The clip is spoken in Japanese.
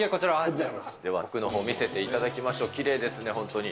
では、見せていただきましょう、きれいですね、本当に。